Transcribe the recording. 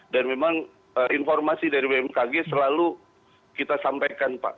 dan memang informasi dari bmkg selalu kita sampaikan pak